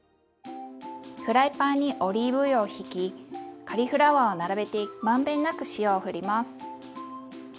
フライパンにオリーブ油をひきカリフラワーを並べて満遍なく塩をふります。